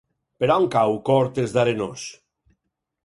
Per on cau Cortes d'Arenós?